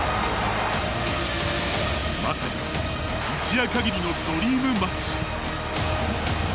まさに一夜限りのドリームマッチ。